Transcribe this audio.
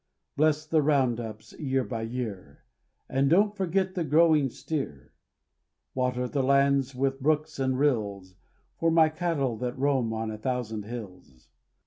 Bless the round ups year by year, And don't forget the growing steer; Water the lands with brooks and rills For my cattle that roam on a thousand hills.